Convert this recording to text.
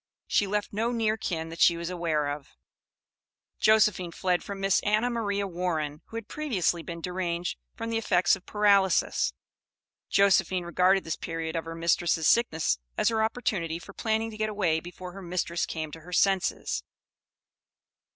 She left no near kin that she was aware of. Josephine fled from Miss Anna Maria Warren, who had previously been deranged from the effects of paralysis. Josephine regarded this period of her mistress' sickness as her opportunity for planning to get away before her mistress came to her senses.